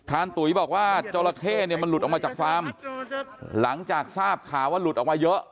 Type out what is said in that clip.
ตุ๋ยบอกว่าจราเข้เนี่ยมันหลุดออกมาจากฟาร์มหลังจากทราบข่าวว่าหลุดออกมาเยอะ